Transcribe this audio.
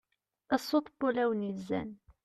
a sut n wulawen yezzan